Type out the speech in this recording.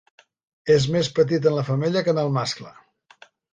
És més petit en la femella que en el mascle